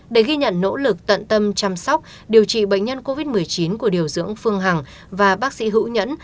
để ghi nhận nỗ lực tận tâm chăm sóc điều trị bệnh nhân covid một mươi chín của điều dưỡng phương hằng và bác sĩ hữu nhẫn